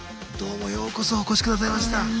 どうもようこそお越し下さいました。